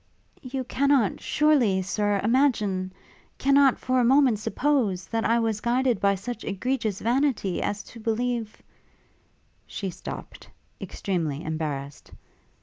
'You cannot, surely, Sir, imagine cannot for a moment suppose, that I was guided by such egregious vanity as to believe ' She stopt, extremely embarrassed.